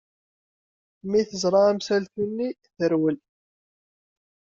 Mi teẓra amsaltu-nni, terwel.